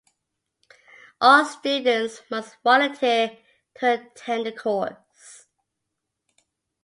All students must volunteer to attend the course.